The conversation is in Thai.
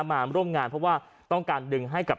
มาร่วมงานเพราะว่าต้องการดึงให้กับ